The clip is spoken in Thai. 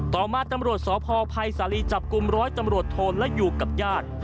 ต่อมาตำรวจสพภัยสาลีจับกลุ่มร้อยตำรวจโทนและอยู่กับญาติ